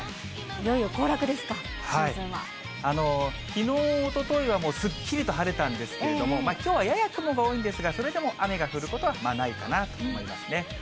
いよいよ行楽ですか、シーズきのう、おとといはすっきりと晴れたんですけれども、きょうはやや雲が多いんですが、それでも雨が降ることはないかなと思いますね。